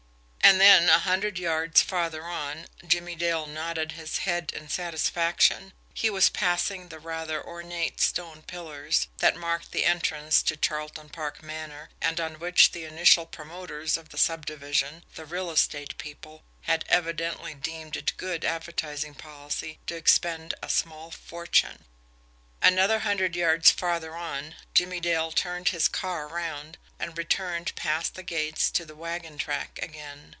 And then, a hundred yards farther on, Jimmie Dale nodded his head in satisfaction he was passing the rather ornate stone pillars that marked the entrance to Charleton Park Manor, and on which the initial promoters of the subdivision, the real estate people, had evidently deemed it good advertising policy to expend a small fortune. Another hundred yards farther on, Jimmie Dale turned his car around and returned past the gates to the wagon track again.